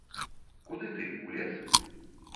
Куды ты, у лес?